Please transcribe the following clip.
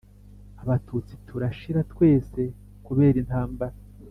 Abatutsi turashira twese kubera intambara